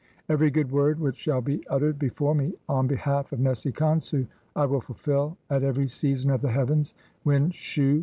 Every good word which shall be "uttered before me on behalf of Nesi Khonsu I will "fulfil at every season of the heavens when Shu CXCII INTRODUCTION.